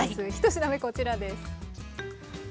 １品目こちらです。